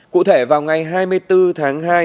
cụ thể vào ngày hai mươi bốn tháng hai